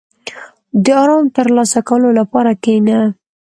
• د آرام ترلاسه کولو لپاره کښېنه.